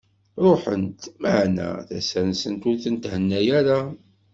Ruḥent, meɛna, tasa-nsent ur tent-henna ara.